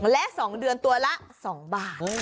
และ๒เดือนตัวละ๒บาท